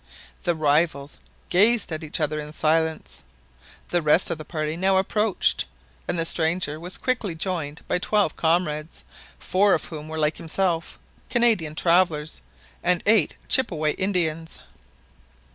The rivals gazed at each other in silence. The rest of the party now approached, and the stranger was quickly joined by twelve comrades, four of whom were like himself " Canadian travellers," and eight Chippeway Indians.